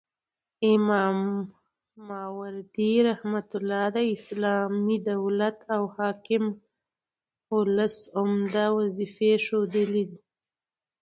امام ماوردي رحمه الله د اسلامي دولت او حاکم لس عمده وظيفي ښوولي دي